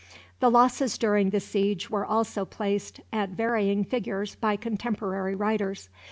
The losses during the siege were also placed at varying figures by contemporary writers.